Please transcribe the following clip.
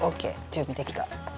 準備できた。